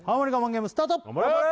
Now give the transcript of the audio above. ゲームスタート